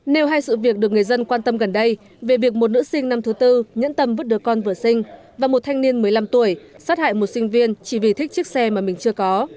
nêu hai sự việc được người dân quan tâm gần đây về việc một nữ sinh năm thứ tư nhẫn tâm vứt đứa con vừa sinh và một thanh niên một mươi năm tuổi sát hại một sinh viên chỉ vì thích chiếc xe mà mình chưa có